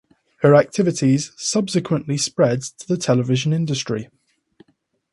Her activities subsequently spread to the television industry.